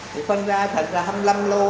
thì phân ra thành ra hai mươi năm lô